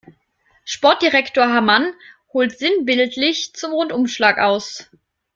Sportdirektor Hamann holt sinnbildlich zum Rundumschlag aus.